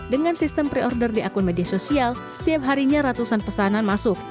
dengan sistem pre order di akun media sosial setiap harinya ratusan pesanan masuk